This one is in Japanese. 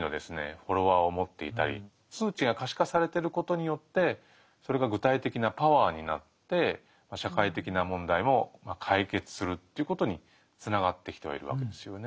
フォロワーを持っていたり数値が可視化されてることによってそれが具体的なパワーになって社会的な問題も解決するということにつながってきてはいるわけですよね。